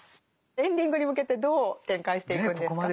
エンディングに向けてどう展開していくんですか？